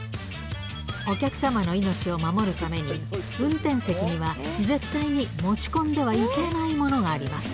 お客様の命を守るために、運転席には絶対に持ち込んではいけないものがあります。